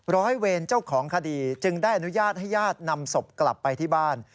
ร้อยเวรเจ้าของคดีจึงได้อนุญาตให้ญาตินำศพกลับไปที่บ้าน